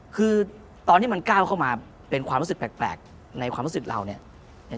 คือตอนที่มันก้าวเข้ามาเป็นความรู้สึกแปลกในความรู้สึกเราเนี่ย